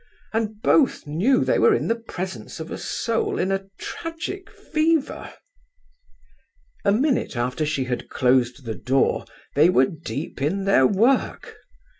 And both knew they were in the presence of a soul in a tragic fever! A minute after she had closed the door they were deep in their work.